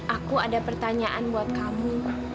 aku ada pertanyaan buat kamu